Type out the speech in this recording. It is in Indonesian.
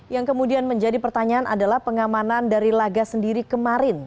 yang kemudian menjadi pertanyaan adalah pengamanan dari laga sendiri kemarin